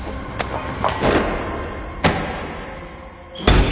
あっ！